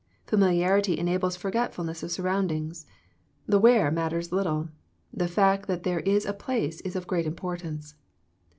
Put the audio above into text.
Familiarity enables f orgetf ulness of surroundings. The " where " matters little. The fact that there is a place is of great importance.